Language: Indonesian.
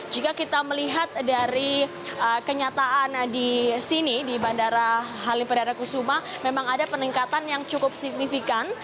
jika kita melihat dari kenyataan di sini di bandara halim perdana kusuma memang ada peningkatan yang cukup signifikan